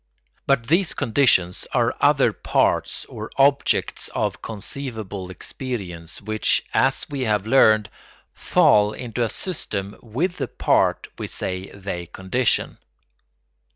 But these conditions are other parts or objects of conceivable experience which, as we have learned, fall into a system with the part we say they condition.